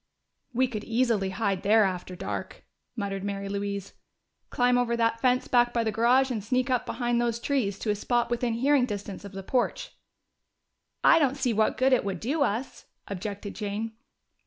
"We could easily hide there after dark," muttered Mary Louise. "Climb over that fence back by the garage and sneak up behind those trees to a spot within hearing distance of the porch." "I don't see what good it would do us," objected Jane.